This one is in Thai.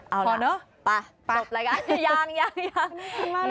เอาล่ะปลอดภัยก่อน